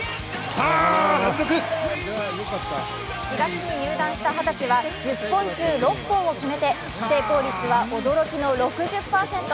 ４月に入団した二十歳は１０本中６本を決めて成功率は驚きの６０％。